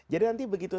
jadi nanti begitu